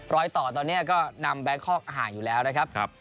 รอยต่อตอนนี้ก็นำแบงคอกห่างอยู่แล้วนะครับ